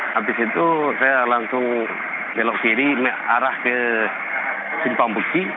habis itu saya langsung belok kiri arah ke simpang beki